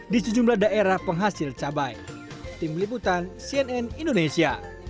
di sejumlah daerah penghasil cabai